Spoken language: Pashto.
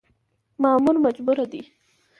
مامور مجبور دی .